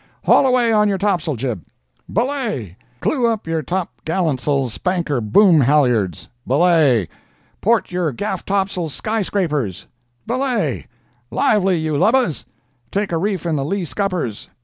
Haul away on your tops'l jib! Belay! Clew up your top gallants'l spanker boom halliards! Belay! Port your gaff tops'l sky scrapers! Belay! Lively, you lubbus! Take a reef in the lee scuppers!